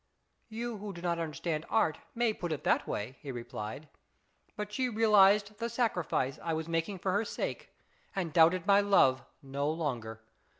" You who do not understand art may put it in that way," he replied ;" but she realized the sacrifice I was making for her sake, and doubted my love no longer.